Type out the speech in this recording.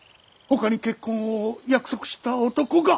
ほかに結婚を約束した男が。